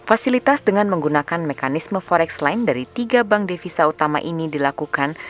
fasilitas dengan menggunakan mekanisme forex line dari tiga bank devisa utama ini dilakukan